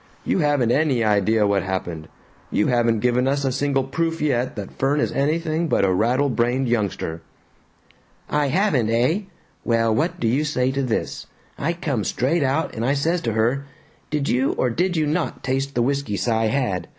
You haven't any idea what happened. You haven't given us a single proof yet that Fern is anything but a rattle brained youngster." "I haven't, eh? Well, what do you say to this? I come straight out and I says to her, 'Did you or did you not taste the whisky Cy had?'